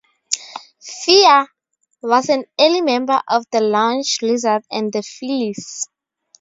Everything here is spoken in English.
Fier was an early member of The Lounge Lizards and The Feelies.